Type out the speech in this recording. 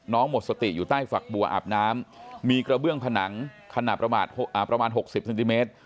หมดสติอยู่ใต้ฝักบัวอาบน้ำมีกระเบื้องผนังขนาดประมาณ๖๐เซนติเมตร